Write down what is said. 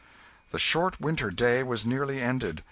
The short winter day was nearly ended.